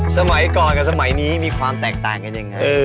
สมัยก่อนกับสมัยนี้มีความแตกต่างกันยังไง